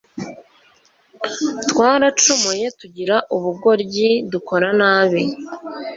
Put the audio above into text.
twaracumuye, tugira ubugoryi, dukora nabi